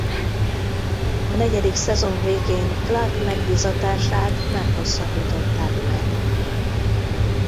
A negyedik szezon végén Clark megbízatását nem hosszabbították meg.